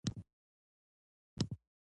هېڅوک نشي ویلی چې دا توکی ما تولید کړی دی